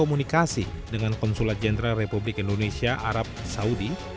komunikasi dengan konsulat jenderal republik indonesia arab saudi